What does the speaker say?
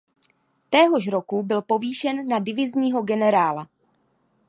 Téhož roku byl povýšen na divizního generála.